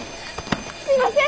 すいません！